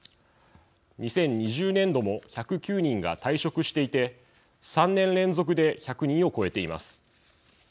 ２０２０年度も１０９人が退職していて３年連続で１００人を超えています。